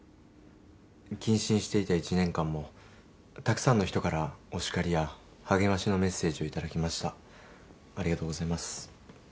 謹慎していた１年間もたくさんの人からお叱りや励ましのメッセージを頂きましたありがとうございます